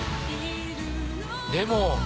でも。